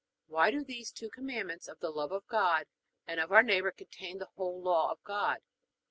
Why do these two Commandments of the love of God and of our neighbor contain the whole law of God?